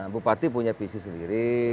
bupati punya pc sendiri